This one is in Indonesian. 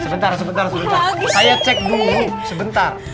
sebentar sebentar sebentar saya cek dulu sebentar